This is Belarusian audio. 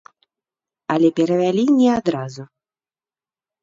Але перавялі не адразу.